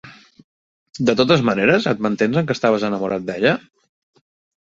De totes maneres, et mantens en què estaves enamorat d'ella?